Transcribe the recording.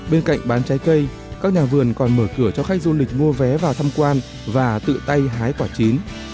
bên cạnh bán trái cây các nhà vườn còn mở cửa cho khách du lịch mua vé vào thăm quan và tự tay hái quả chín